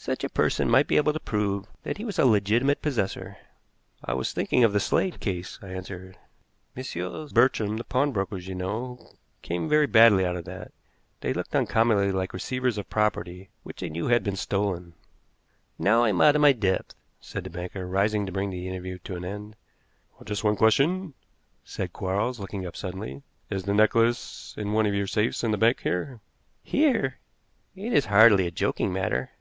"Such a person might be able to prove that he was a legitimate possessor." "I was thinking of the Slade case," I answered. "Messrs. Bartrams, the pawnbrokers, you know, came very badly out of that. They looked uncommonly like receivers of property which they knew had been stolen." "Now I am out of my depth," said the banker, rising to bring the interview to an end. "Just one question," said Quarles, looking up suddenly. "Is the necklace in one of your safes in the bank here?" "Here! It is hardly a joking matter."